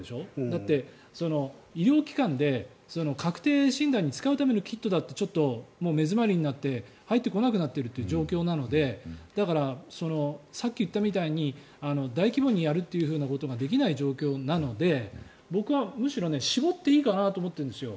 だって、医療機関で確定診断に使うためのキットだってちょっと目詰まりになって入ってこなくなっているという状況なのでだから、さっき言ったみたいに大規模にやるというふうなことができない状況なので僕はむしろ絞っていいかなと思ってるんですよ。